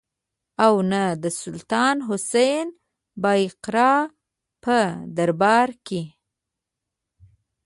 او نه د سلطان حسین بایقرا په دربار کې.